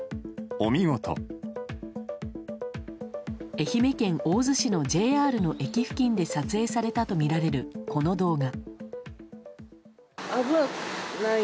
愛媛県大洲市のＪＲの駅付近で撮影されたとみられる、この動画。